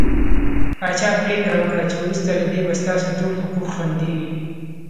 پاچا پرېکړه وکړه چې وروسته له دې به ستاسو ټول حقوق خوندي وي .